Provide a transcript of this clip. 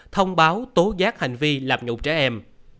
thông báo tố giác hành vi lạp nhục trẻ em